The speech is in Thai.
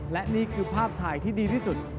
และนี่คือภาพถ่ายที่ดีที่สุด